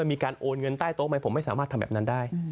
มีการโอนเงินใต้โต๊ะไหมผมไม่สามารถทำแบบนั้นได้